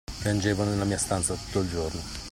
Piangevo nella mia stanza tutto il giorno.